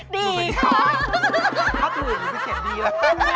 ดีค่ะ